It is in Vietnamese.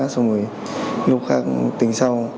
xong rồi lúc khác tính sau